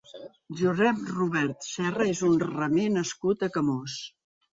Josép Robert Serra és un remer nascut a Camós.